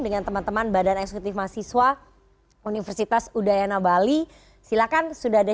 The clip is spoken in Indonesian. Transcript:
dengan teman teman badan eksekutif mahasiswa universitas udayana bali silakan sudah ada